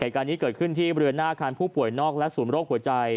เหตุการณ์นี้เกิดขึ้นที่บริเวณหน้าอาคารผู้ป่วยนอกและศูนย์โรคหัวใจ